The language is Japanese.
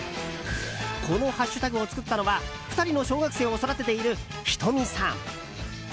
このハッシュタグを作ったのは２人の小学生を育てているひとみさん。